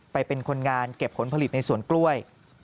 เป็นคนงานเก็บผลผลิตในสวนกล้วย